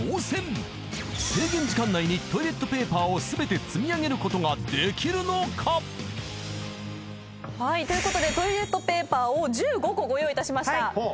［制限時間内にトイレットペーパーを全て積み上げることができるのか？］ということでトイレットペーパーを１５個ご用意いたしました。